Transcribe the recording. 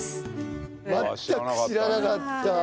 全く知らなかった。